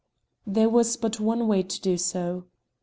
There was but one way to do so.